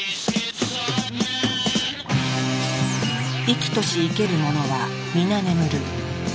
生きとし生ける者は皆眠る。